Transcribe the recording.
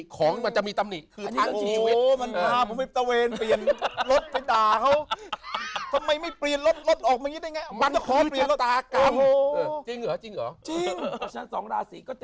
ของมันจะมีตำหนิคือทั้งชีวิต